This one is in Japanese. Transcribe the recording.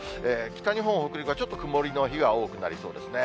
北日本、北陸はちょっと曇りの日が多くなりそうですね。